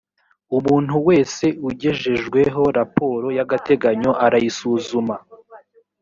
umuntu wese ugejejweho raporo y’agateganyo arayisuzuma